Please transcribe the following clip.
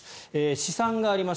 試算があります。